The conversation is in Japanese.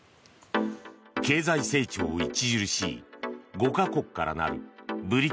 経済成長著しい５か国からなるＢＲＩＣＳ。